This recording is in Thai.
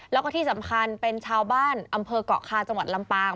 แล้วก็ที่สำคัญเป็นชาวบ้านอำเภอกเกาะคาจังหวัดลำปาง